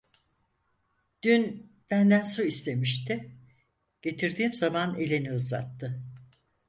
Dün benden su istemişti, getirdiğim zaman elini uzattı…